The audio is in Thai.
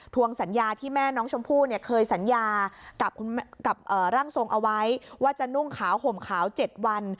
สัญญาที่แม่น้องชมพู่เคยสัญญากับร่างทรงเอาไว้ว่าจะนุ่งขาวห่มขาว๗วัน